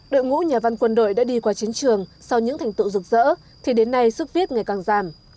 đội ngũ nhà văn quân đội đã đi qua chiến trường sau những thành tựu rực rỡ thì đến nay sức viết ngày càng giảm